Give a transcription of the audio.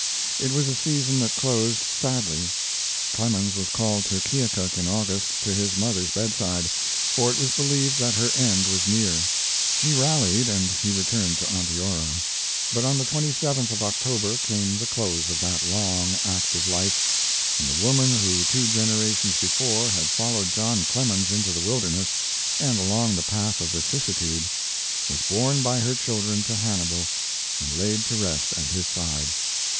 It was a season that closed sadly. Clemens was called to Keokuk in August, to his mother's bedside, for it was believed that her end was near. She rallied, and he returned to Onteora. But on the 27th of October came the close of that long, active life, and the woman who two generations before had followed John Clemens into the wilderness, and along the path of vicissitude, was borne by her children to Hannibal and laid to rest at his side.